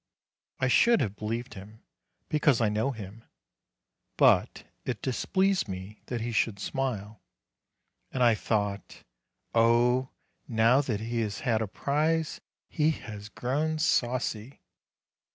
I should have believed him, because I know him; but it displeased me that he should smile, and I thought: "Oh! now that he has had a prize, he has grown saucy!"